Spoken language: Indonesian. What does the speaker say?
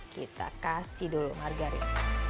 kita kasih dulu margarin